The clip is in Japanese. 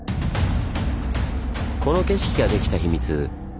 この景色ができた秘密